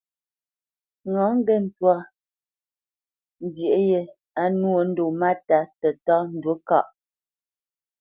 Ŋâ ŋgê ntwá nzyê yē á nwô ndo máta tətá ndǔ kâʼ.